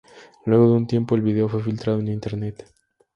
Luego de un tiempo, el video fue filtrado en Internet.